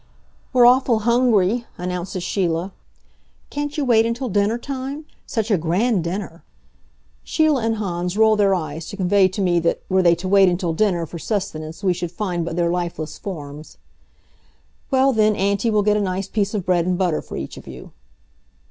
"We're awful hungry," announces Sheila. "Can't you wait until dinner time? Such a grand dinner!" Sheila and Hans roll their eyes to convey to me that, were they to wait until dinner for sustenance we should find but their lifeless forms. "Well then, Auntie will get a nice piece of bread and butter for each of you."